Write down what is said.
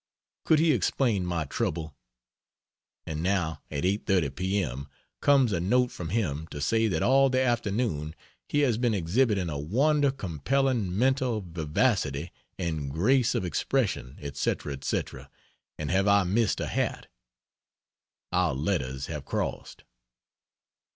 Could he explain my trouble? And now at 8.30 p.m. comes a note from him to say that all the afternoon he has been exhibiting a wonder compelling mental vivacity and grace of expression, etc., etc., and have I missed a hat? Our letters have crossed.